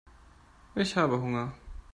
Ich habe Hunger.